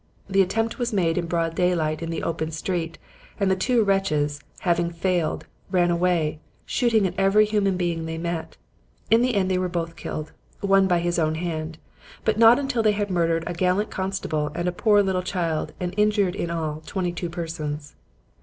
The attempt was made in broad daylight in the open street, and the two wretches, having failed, ran away, shooting at every human being they met. In the end they were both killed one by his own hand but not until they had murdered a gallant constable and a poor little child and injured in all, twenty two persons.